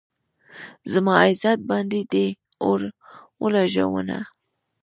زما عزت باندې دې اور ولږاونه